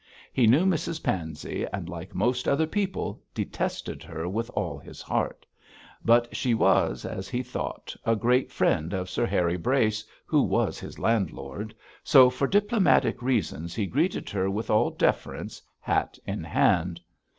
He knew Mrs Pansey, and, like most other people, detested her with all his heart; but she was, as he thought, a great friend of Sir Harry Brace, who was his landlord, so for diplomatic reasons he greeted her with all deference, hat in hand.